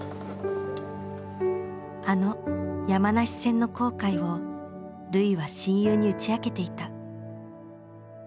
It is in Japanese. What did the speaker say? あの山梨戦の後悔を瑠唯は親友に打ち明けていた。